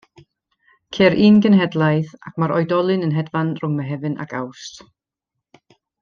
Ceir un genhedlaeth ac mae'r oedolyn yn hedfan rhwng Mehefin ac Awst.